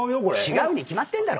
違うに決まってんだろ。